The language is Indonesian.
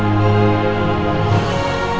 jangan kaget pak dennis